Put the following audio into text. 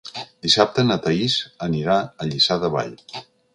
Dissabte na Thaís anirà a Lliçà de Vall.